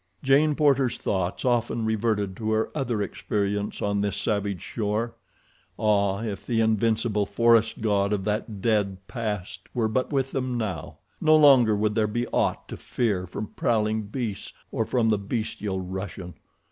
Jane Porter's thoughts often reverted to her other experience on this savage shore. Ah, if the invincible forest god of that dead past were but with them now. No longer would there be aught to fear from prowling beasts, or from the bestial Russian.